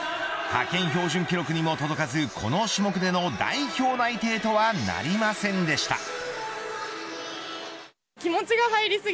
派遣標準記録にも届かずこの種目での代表内定とはなりませんでした。